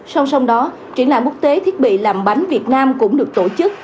song song đó triển lãm quốc tế thiết bị làm bánh việt nam cũng được tổ chức